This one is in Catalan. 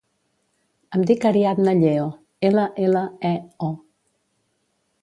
Em dic Ariadna Lleo: ela, ela, e, o.